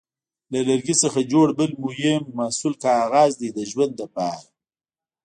له لرګي څخه جوړ بل مهم محصول کاغذ دی د ژوند لپاره.